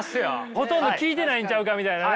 ほとんど聞いてないんちゃうかみたいなね。